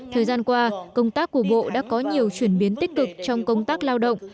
thời gian qua công tác của bộ đã có nhiều chuyển biến tích cực trong công tác lao động